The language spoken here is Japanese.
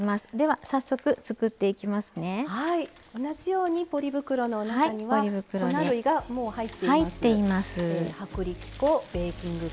はい同じようにポリ袋の中には粉類がもう入っています。